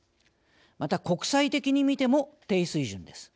また国際的に見ても低水準です。